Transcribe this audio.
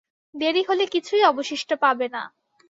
দেরী হলে কিছুই অবশিষ্ট পাবে না।